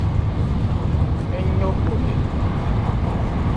Ń jɔ nkɛ phɔ.